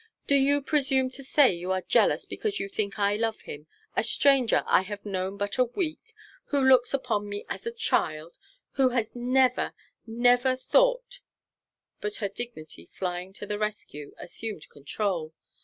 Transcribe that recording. "Do you presume to say you are jealous because you think I love him a stranger I have known but a week who looks upon me as a child who has never never thought " But her dignity, flying to the rescue, assumed control.